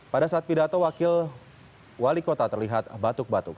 pada saat pidato wakil wali kota terlihat batuk batuk